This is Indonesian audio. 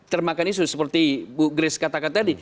termakan isu seperti bu grace katakan tadi